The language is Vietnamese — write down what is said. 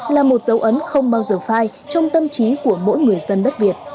là một dấu ấn không bao giờ phai trong tâm trí của mỗi người dân đất việt